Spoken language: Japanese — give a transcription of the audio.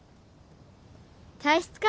体質か。